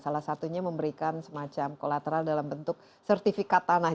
salah satunya memberikan semacam kolateral dalam bentuk sertifikat tanah